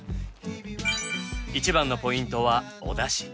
一番のポイントはお出汁。